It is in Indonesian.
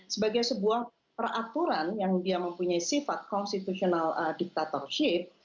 sebagai sebuah peraturan yang dia mempunyai sifat constitutional dictatorship